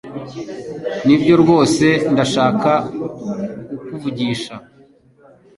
Nibyo rwose ndashaka kukuvugisha.